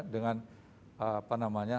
dengan apa namanya